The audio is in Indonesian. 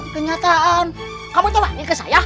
kenyataan kamu iri ke saya